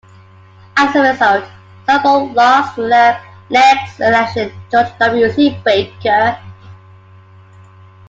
As a result, Sanborn lost the next election to George W. C. Baker.